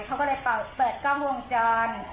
เขาก็เลยเปิดกล้องวงจร